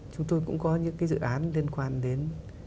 chúng tôi cũng có những cái dự án liên quan đến